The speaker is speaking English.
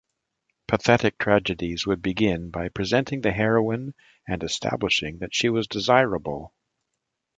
Pathetic tragedies would begin by presenting the heroine and establishing that she was desirable.